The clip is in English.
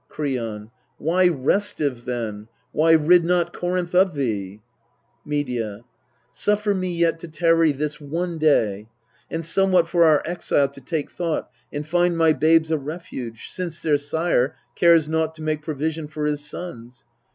Kreon. Why restive then ? why rid not Corinth of thee? Medea. Suffer me yet to tarry this one day, And somewhat for our exile to take thought, And find my babes a refuge, since their sire Cares naught to make provision for his sons.